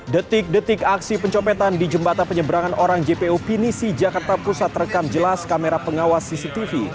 detik detik aksi pencopetan di jembatan penyeberangan orang jpo pinisi jakarta pusat rekam jelas kamera pengawas cctv